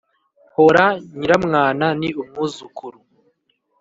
hora nyiramwana ni umwuzukuru